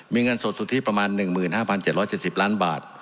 มีเงินสดสุทธิประมาณ๑๕๗๗๐ล้านบาท